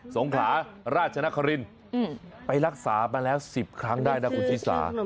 สงขลาราชนครินไปรักษามาแล้ว๑๐ครั้งได้นะคุณชิสา